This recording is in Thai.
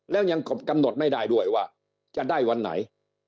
แล้วยังกำหนดไม่ได้ด้วยว่าจะได้วันไหน